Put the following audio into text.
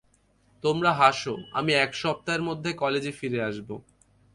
তোমরা হাসো, আমি এক সপ্তাহের মধ্যে কলেজে ফিরে আসব।